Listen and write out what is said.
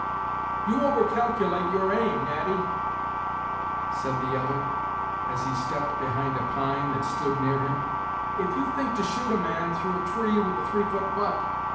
"You over calculate your aim, Natty," said the other, as he stepped behind a pine that stood near him, "if you think to shoot a man through a tree with a three foot butt.